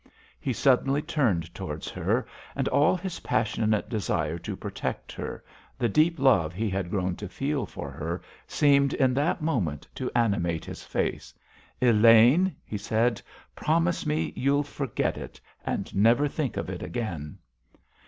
He suddenly turned towards her. And all his passionate desire to protect her, the deep love he had grown to feel for her seemed in that moment to animate his face. "Elaine," he said, "promise me you'll forget it, and never think of it again?"